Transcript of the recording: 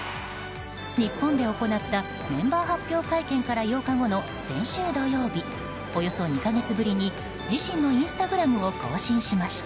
日本で行ったメンバー発表会見から８日後の先週土曜日、およそ２か月ぶりに自身のインスタグラムを更新しました。